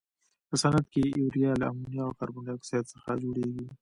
په صنعت کې یوریا له امونیا او کاربن ډای اکسایډ څخه جوړیږي.